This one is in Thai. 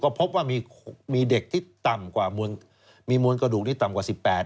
ก็พบว่ามีเด็กที่มีมวลกระดูกที่ต่ำกว่า๑๘